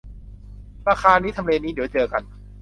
ราคานี้ ทำเลนี้ เดี๋ยวเจอกัน